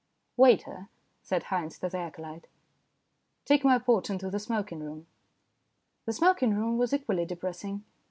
"Waiter," said Haynes to the acolyte, "take my port into the smoking room." The smoking room was equally depressing.